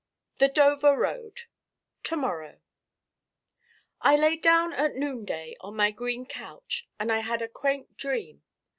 The Dover road To morrow I lay down at noonday on my green couch and I had a quaint dream.